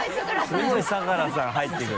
すごい相樂さん入ってくる。